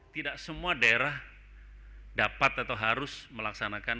tidak semua daerah dapat atau harus melaksanakan